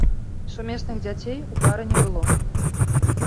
Сумесных дзяцей у пары не было.